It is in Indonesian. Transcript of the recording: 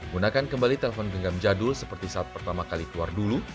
gunakan kembali telpon genggam jadul seperti saat pertama kali keluar dulu